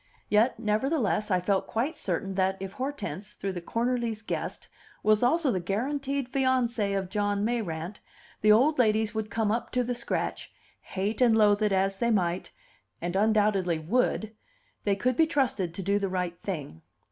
Yet, nevertheless, I felt quite certain that, if Hortense, though the Cornerlys' guest, was also the guaranteed fiancee of John Mayrant, the old ladies would come up to the scratch, hate and loathe it as they might, and undoubtedly would: they could be trusted to do the right thing.